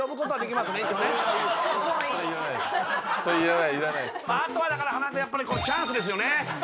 まああとはだからはなわ君やっぱりこのチャンスですよね